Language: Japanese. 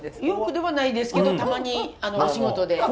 よくではないですけどたまにお仕事で。